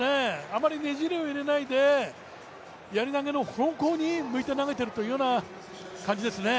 あまりねじりを入れないで、やり投の方向に向いて投げているという感じですね。